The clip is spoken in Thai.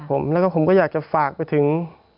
ผมแล้วก็ผมก็อยากจะฝากไปถึง